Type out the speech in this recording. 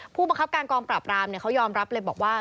ผู้บังคับการกองปราบรามเขายอมรับเลยบอกว่า